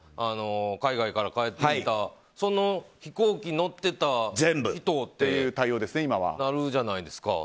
海外から帰ってきたその飛行機に乗っていた人ってなるじゃないですか。